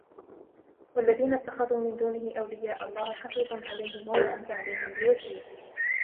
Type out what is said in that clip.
وَالَّذِينَ اتَّخَذُوا مِنْ دُونِهِ أَوْلِيَاءَ اللَّهُ حَفِيظٌ عَلَيْهِمْ وَمَا أَنْتَ عَلَيْهِمْ بِوَكِيلٍ